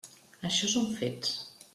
Això són fets.